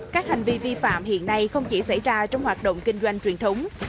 các hành vi vi phạm hiện nay không chỉ xảy ra trong hoạt động kinh doanh truyền thống